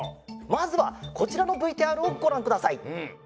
まずはこちらをＶＴＲをごらんください。